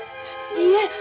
いいえ。